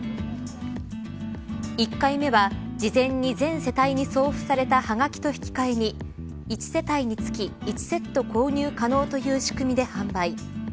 １回目は事前に全世帯に送付されたはがきと引き換えに１世帯につき１セット購入可能という仕組みで販売。